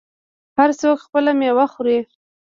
هر څوک خپله میوه خوري.